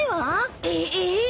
ええ！？